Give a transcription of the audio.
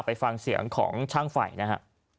ไปฟังเสียงของช่างไฟนะฮะ